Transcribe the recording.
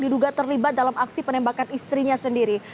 diduga terlibat dalam aksi penembakan istrinya sendiri